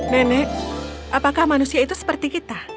nenek apakah manusia itu seperti kita